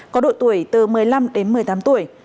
có độ tuổi từ một mươi năm đến một mươi tám tuổi